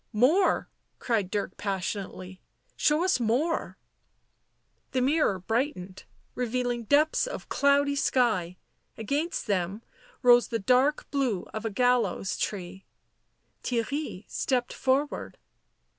" More," cried Dirk passionately. " Show us more " The mirror brightened, revealing depths of cloudy sky; against them rose the dark blue of a gallows tree. Theirry stepped forward.